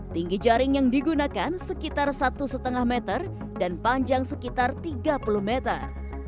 tinggi jaring yang digunakan sekitar satu lima meter dan panjang sekitar tiga puluh meter